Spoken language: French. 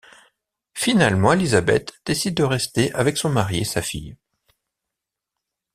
Finalement Elisabeth décide de rester avec son mari et sa fille.